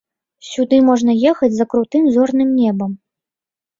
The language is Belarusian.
Сюды можна ехаць за крутым зорным небам!